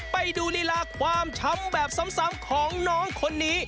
ไปดูลีลาความช้ำแบบซ้ำของน้องคนนี้